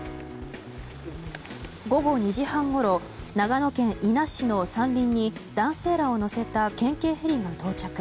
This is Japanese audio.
午後２時半ごろ、長野県伊那市の山林に男性らを乗せた県警ヘリが到着。